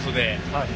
はい。